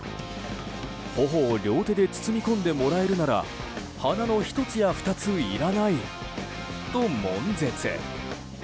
頬を両手で包み込んでもらえるなら鼻の１つや２ついらないと悶絶。